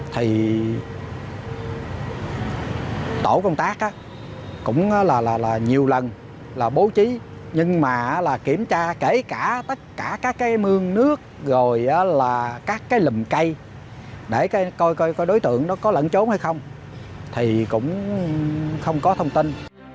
tổ công tác cũng là là là nhiều lần là bố trí nhưng mà là kiểm tra kể cả tất cả các cái mương nước rồi là các cái lùm cây để coi coi đối tượng nó có lẫn trốn hay không thì cũng không có thông tin